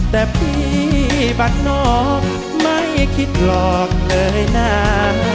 แต่พี่บัดนอกไม่คิดหลอกเลยน่า